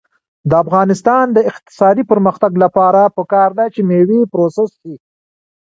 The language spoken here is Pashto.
د افغانستان د اقتصادي پرمختګ لپاره پکار ده چې مېوې پروسس شي.